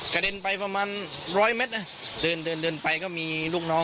เด็นไปประมาณร้อยเมตรนะเดินเดินไปก็มีลูกน้อง